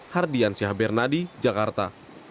hardian syahbernadi jakarta